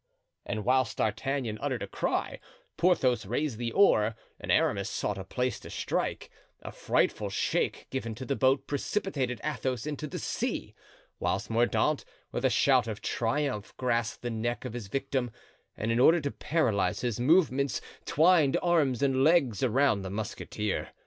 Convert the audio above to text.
And whilst D'Artagnan uttered a cry, Porthos raised the oar, and Aramis sought a place to strike, a frightful shake given to the boat precipitated Athos into the sea; whilst Mordaunt, with a shout of triumph, grasped the neck of his victim, and in order to paralyze his movements, twined arms and legs around the musketeer.